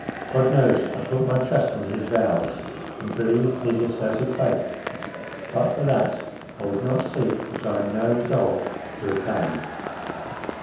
God knows, I put my trust in his vows, and believe his asserted faith—but for that, I would not seek what I am now resolved to attain.